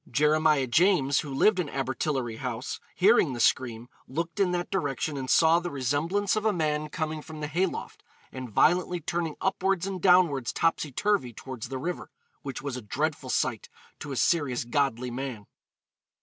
Jeremiah James, who lived in Abertillery House, hearing the scream, looked in that direction and saw the 'resemblance of a man' coming from the hay loft 'and violently turning upwards and downwards topsy turvy' towards the river, 'which was a dreadful sight to a serious godly man.'